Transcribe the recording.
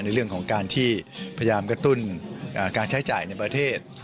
ในเรื่องของการที่พยายามกระตุ้นการใช้จ่ายในประเทศ